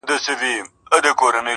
ستا د سپین باړخو خولې رایادي سي